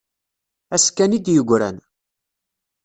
Ass kan i d-yegran.